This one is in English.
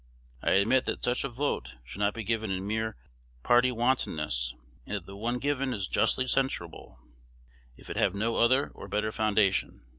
I admit that such a vote should not be given in mere party wantonness, and that the one given is justly censurable, if it have no other or better foundation.